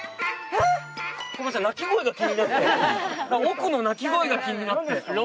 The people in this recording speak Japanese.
奥の鳴き声が気になって何ですか？